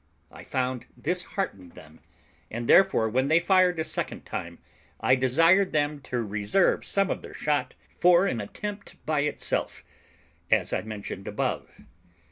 I found this heartened them, and therefore, when they fired a second time, I desired them to reserve some of their shot for an attempt by itself, as I mentioned above.